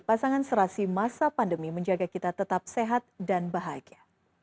pasangan serasi masa pandemi menjaga kita tetap sehat dan bahagia